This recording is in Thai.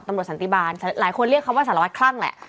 สันติบาลหลายคนเรียกคำว่าสารวัตรคลั่งแหละ